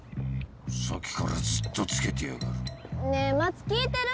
さっきからずっとつけてやがるねえ松聞いてる？